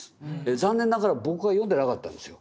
残念ながら僕は読んでなかったんですよ。